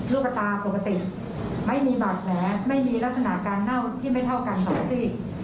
ลูกตาปกติไม่มีบาดแผลไม่มีลักษณะการเน่าที่ไม่เท่ากันสองซีก